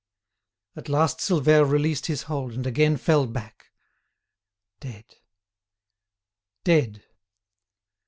At last Silvère released his hold and again fell back. Dead! Dead!